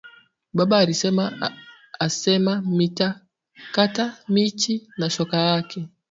Baba ari sema asema mita kata michi na shoka yake